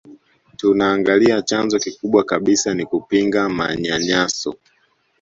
Tunaangalia chanzo kikubwa kabisa ni kupinga manyanyaso